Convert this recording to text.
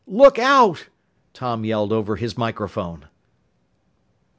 "Look out!" Tom yelled over his microphone.